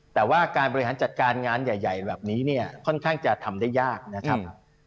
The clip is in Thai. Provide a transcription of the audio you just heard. แต่ว่าการบริหารจัดการงานใหญ่แบบนี้เนี่ยค่อนข้างจะทำได้ยากนะครับ